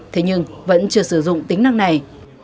thế nhưng vẫn chưa sử dụng tính năng này